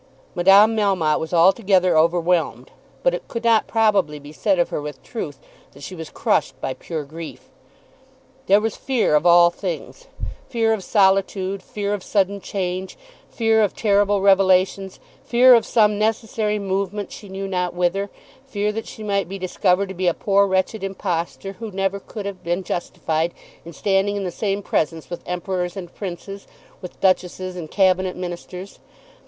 Madame Melmotte was altogether overwhelmed; but it could not probably be said of her with truth that she was crushed by pure grief. There was fear of all things, fear of solitude, fear of sudden change, fear of terrible revelations, fear of some necessary movement she knew not whither, fear that she might be discovered to be a poor wretched impostor who never could have been justified in standing in the same presence with emperors and princes, with duchesses and cabinet ministers.